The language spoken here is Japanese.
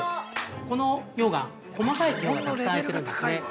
この溶岩、細かい気泡がたくさんあいているんですね。